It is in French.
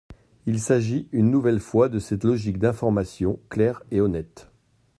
Il s’agit une nouvelle fois de cette logique d’information claire et honnête.